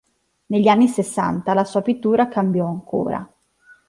Negli anni Sessanta la sua pittura cambiò ancora.